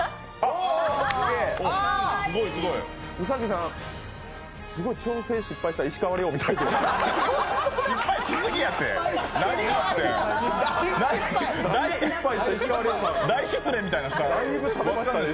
兎さん、すごい調整失敗した石川遼みたいです。